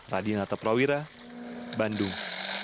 radinata prawira bandung